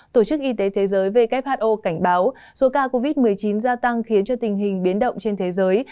tổ chức y tế thế giới who cảnh báo số ca covid một mươi chín gia tăng khiến cho tình hình biến động trên thế giới